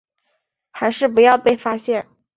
不要被发现